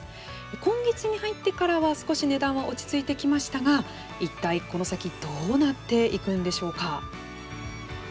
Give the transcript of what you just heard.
今月に入ってからは少し値段は落ち着いてきましたが一体、この先どうなっていくんでしょうか。